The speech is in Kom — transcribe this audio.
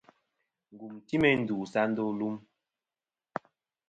Ngùm ti meyn ndu sɨ a ndô lum.